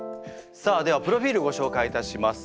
さあではプロフィールご紹介いたします。